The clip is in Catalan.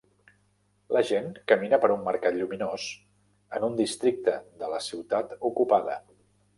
La gent camina per un mercat lluminós en un districte de la ciutat ocupada